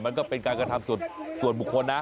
มันก็เป็นการกระทำส่วนบุคคลนะ